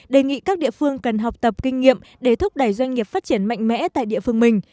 đề nghị các địa phương cần học tập kinh nghiệm để thúc đẩy doanh nghiệp phát triển mạnh mẽ tại địa phương mình